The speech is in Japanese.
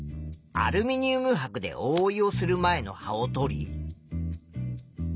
アルミニウムはくでおおいをする前の葉をとり。